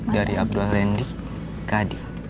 dari abdullah randy ke adi